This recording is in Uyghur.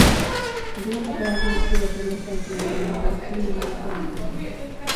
بىزنىڭ ئەتراپىمىزدىكى ۋەتەنداشلار بىلەن بىرگە بولۇشنىمۇ ناھايىتى ياخشى كۆرىمەن.